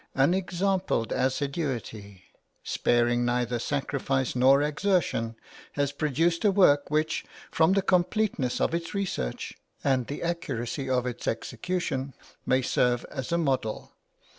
Unexampled assiduity, sparing neither sacrifice nor exertion, has produced a work which, from the completeness of its research and the accuracy of its execution, may serve as a model.